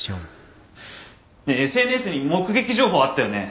ＳＮＳに目撃情報あったよね。